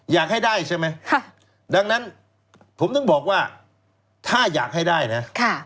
อยากให้ได้ใช่ไหมดังนั้นผมถึงบอกว่าถ้าอยากให้ได้นะ